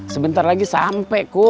sementara lagi sampai